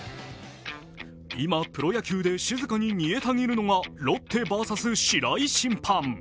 今、プロ野球で静かに煮えたぎるのがロッテｖｓ白井審判。